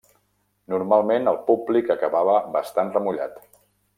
Normalment el públic acabava bastant remullat.